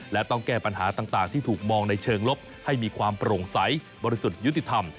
และต้องแก้ปัญหาต่างที่ถูกมองในเชิงลบให้มีความโปร่งใสบริสุทธิ์ยุติธรรม